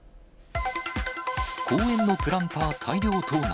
公園のプランター大量盗難。